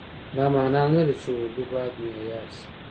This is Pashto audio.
دا معنا نه لري چې اردو باید معیار شي.